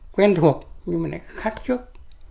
quen thuộc nhưng mà lại khác trước